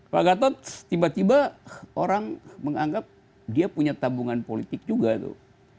pak gatot tiba tiba orang menganggap dia punya tabungan politik juga tuh